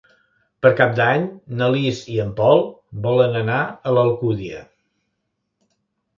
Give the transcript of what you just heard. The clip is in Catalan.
Per Cap d'Any na Lis i en Pol volen anar a l'Alcúdia.